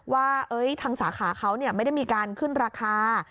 ว่าทางสาขาเขาไม่ได้มีการขึ้นราคา